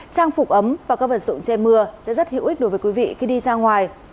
trang phục ấm và các vật dụng che mưa sẽ rất hữu ích đối với quý vị khi đi ra ngoài